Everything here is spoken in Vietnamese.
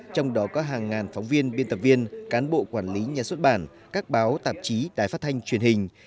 trong đó có hàng ngàn phóng viên biên tập viên cán bộ quản lý nhà xuất bản các báo tạp chí đài phát thanh truyền hình